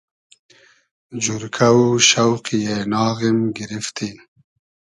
جورکۂ و شۆقی اېناغیم گیریفتی